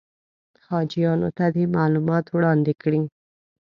حاجیانو ته دې معلومات وړاندې کړي.